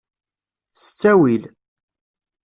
S ttawil.